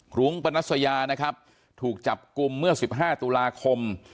รุ้งปนัสยานะครับถูกจับกลุ่มเมื่อ๑๕ตุลาคม